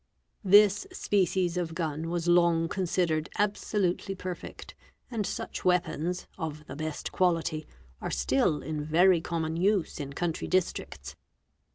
) This species of gun was long considered absolutely perfect and such weapons, of the best quality, are still in very common use in country districts.